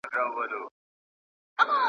دا هغه خبره وه چې چا نه وه اورېدلې.